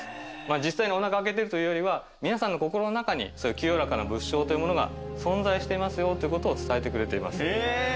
実際におなかあけてるというよりは皆さんの心の中にそういう清らかな仏性というものが存在していますよということを伝えてくれています。